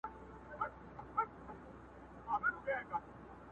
کنه دی په پنیر کله اموخته وو!.